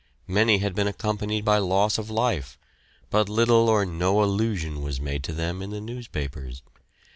Many had been accompanied by loss of life, but little or no allusion was made to them in the newspapers.